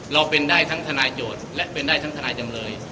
เราเป็นได้ทั้งทนายโจทย์และเป็นได้ทั้งทนายจำเลย